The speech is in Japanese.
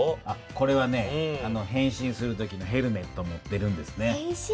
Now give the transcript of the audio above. これはね変身する時のヘルメット持ってるんですね。